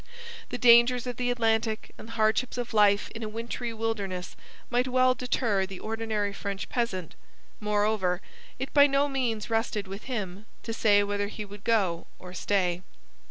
The dangers of the Atlantic and the hardships of life in a wintry wilderness might well deter the ordinary French peasant; moreover, it by no means rested with him to say whether he would go or stay.